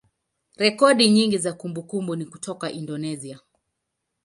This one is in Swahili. rekodi nyingi za kumbukumbu ni kutoka Indonesia.